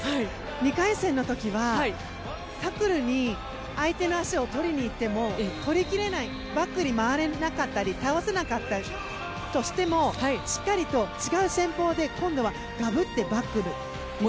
２回戦の時はタックルに相手の足を取りに行っても取り切れないバックに回れなかったり倒せなかったとしてもしっかり違う戦法で今度はがぶってバック。